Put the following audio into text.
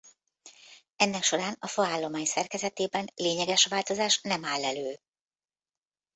Ennek során a faállomány szerkezetében lényeges változás nem áll elő.